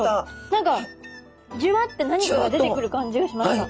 何かジュワッて何かが出てくる感じがしました。